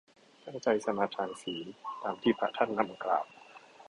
ตั้งใจสมาทานศีล ตามที่พระท่านนำกล่าว